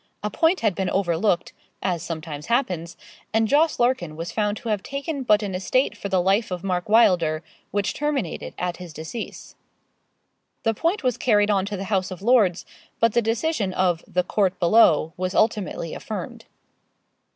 A point had been overlooked as sometimes happens and Jos. Larkin was found to have taken but an estate for the life of Mark Wylder, which terminated at his decease. The point was carried on to the House of Lords, but the decision of 'the court below' was ultimately affirmed.